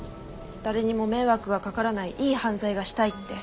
誰にも迷惑がかからないいい犯罪がしたいって。